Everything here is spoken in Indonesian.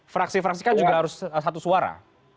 fraksi fraksi kan juga harus satu suara